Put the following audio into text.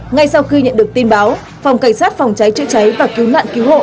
ngay sau khi nhận được tin báo phòng cảnh sát phòng cháy chữa cháy và cứu nạn cứu hộ